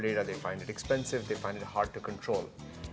banyak pengguna tidak memahami data mobil